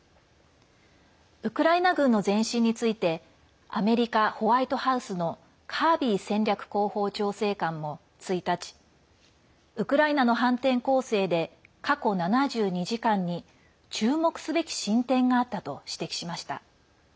ウクライナ軍の前進についてアメリカ・ホワイトハウスのカービー戦略広報調整官も１日ウクライナの反転攻勢で過去７２時間に注目すべき進展があったと指摘しました。